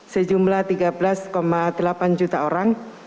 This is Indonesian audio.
sejumlah tiga belas delapan juta orang